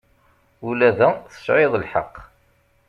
Ula da, tesɛiḍ lḥeqq.